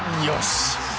よし！